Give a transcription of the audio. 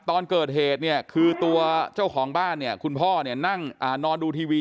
ตอนเกิดเหตุคือตัวเจ้าของบ้านคุณพ่อนั้นนอนดูทีวี